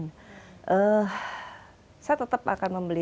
dan saya tetap akan membeli